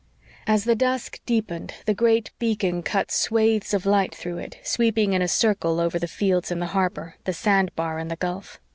As the dusk deepened, the great beacon cut swathes of light through it, sweeping in a circle over the fields and the harbor, the sandbar and the gulf.